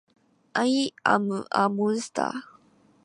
アイアムアモンスター